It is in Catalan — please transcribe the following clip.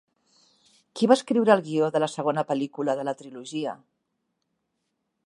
Qui va escriure el guió de la segona pel·lícula de la trilogia?